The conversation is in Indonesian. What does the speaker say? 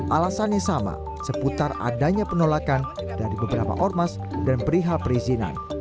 alasannya sama seputar adanya penolakan dari beberapa ormas dan perihal perizinan